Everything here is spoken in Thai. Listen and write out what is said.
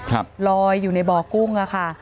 ลอยอยู่ในบ่อกุ้งอะค่ะ